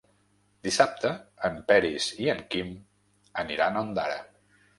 Dissabte en Peris i en Quim aniran a Ondara.